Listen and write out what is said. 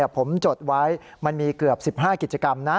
ผมจดไว้มันมีเกือบ๑๕กิจกรรมนะ